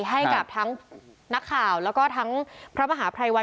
ให้กับทั้งนักข่าวแล้วก็ทั้งพระมหาภัยวัน